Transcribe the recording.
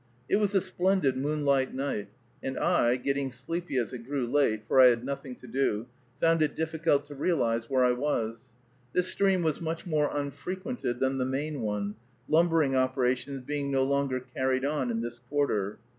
It was a splendid moonlight night, and I, getting sleepy as it grew late, for I had nothing to do, found it difficult to realize where I was. This stream was much more unfrequented than the main one, lumbering operations being no longer carried on in this quarter.